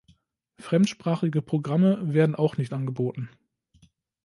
Fremdsprachige Programme werden auch nicht angeboten.